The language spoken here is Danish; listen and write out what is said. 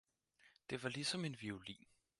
det var ligesom en Violin!